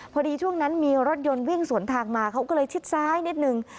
ช่วงนั้นมีรถยนต์วิ่งสวนทางมาเขาก็เลยชิดซ้ายนิดนึง